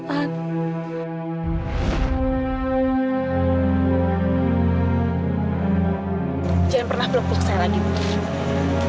jangan pernah peluk peluk saya lagi mimpi